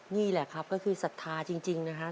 นี่แหละครับก็คือศรัทธาจริงนะครับ